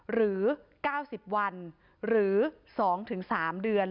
หรือ๙๐วันหรือ๒๓เดือน